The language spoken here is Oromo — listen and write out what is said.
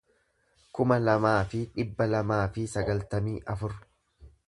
kuma lamaa fi dhibba lamaa fi sagaltamii afur